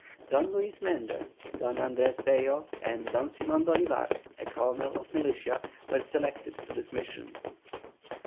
Don Luis Mendez, Don Andrés Bello, and Don SIMON BOLÍVAR, a colonel of militia, were selected for this mission.